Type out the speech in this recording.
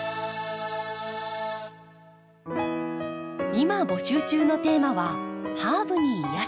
今募集中のテーマは「ハーブに癒やされて」。